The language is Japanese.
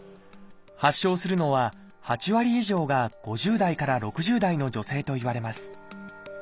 発症するのは８割以上が５０代から６０代の女性といわれます。